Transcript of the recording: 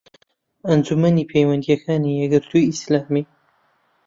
ئەنجومەنی پەیوەندییەکانی یەکگرتووی ئیسلامی